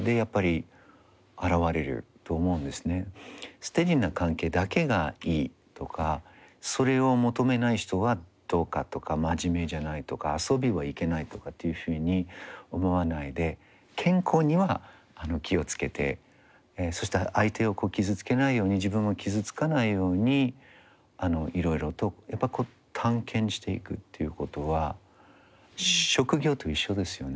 ステディーな関係だけがいいとかそれを求めない人はどうかとか真面目じゃないとか遊びはいけないとかっていうふうに思わないで健康には気を付けてそして相手を傷つけないように自分も傷つかないようにいろいろとやっぱ探検していくっていうことは職業と一緒ですよね。